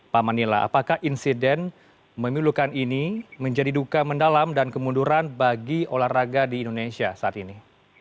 pak manila apakah insiden memilukan ini menjadi duka mendalam dan kemunduran bagi olahraga di indonesia saat ini